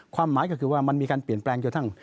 ความหมายก็คือว่ามันมีการเปลี่ยนแปลง